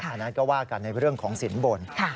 อันนั้นก็ว่ากันในเรื่องของสินบน